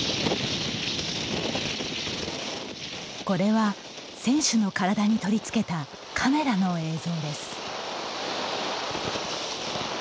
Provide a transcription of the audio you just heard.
これは選手の体に取り付けたカメラの映像です。